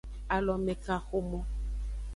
Alomekaxomo.